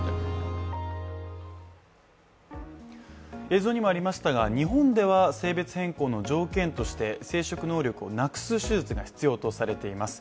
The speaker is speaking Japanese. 映像にもありましたが、日本では性別変更の条件として生殖能力をなくす手術が必要とされています。